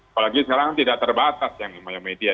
apalagi sekarang tidak terbatas yang namanya media